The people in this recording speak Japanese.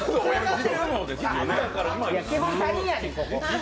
基本、他人やねん。